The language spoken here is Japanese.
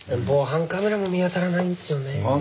防犯カメラも見当たらないんすよね。